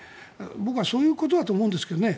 僕はそういうことだと思うんですけどね